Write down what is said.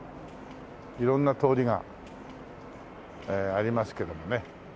色んな通りがありますけどもね。